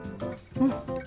うん！